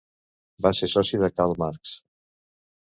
Va ser soci de Karl Marx.